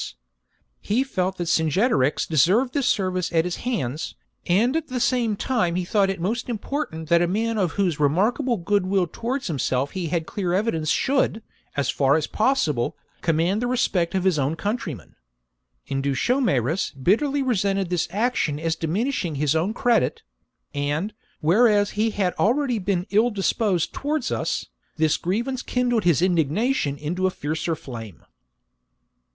I He felt that Cingetorix deserved this service at his hands, and at the same time he thought it most important that a man of whose remarkable good will towards himself he had clear evidence should, as far as possible, command the respect of his own countrymen. Indutiomarus bitterly resented this action as diminishing his own credit ; and, whereas he had already been ill disposed towards us, this grievance kindled his indignation into a fiercer flame.